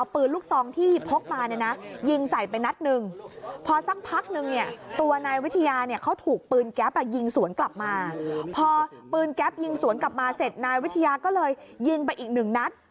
พอปืนแก๊ปยิงสวนกลับมาเสร็จนายวิทยาก็เลยยิงไปอีกหนึ่งนัก